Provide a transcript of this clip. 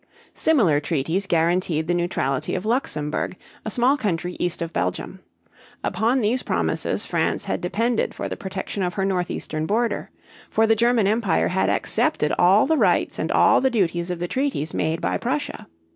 Similar treaties guaranteed the neutrality of Luxemburg, a small country east of Belgium. Upon these promises France had depended for the protection of her northeastern border; for the German Empire had accepted all the rights and all the duties of the treaties made by Prussia.